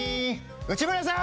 内村さん！！